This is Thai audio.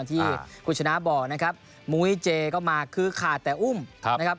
ที่คุณชนะบอกนะครับมุ้ยเจก็มาคือขาดแต่อุ้มนะครับ